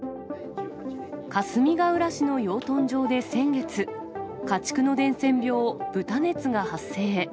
かすみがうら市の養豚場で先月、家畜の伝染病、豚熱が発生。